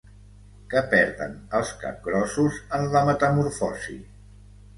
Què perden els capgrossos en la metamorfosi?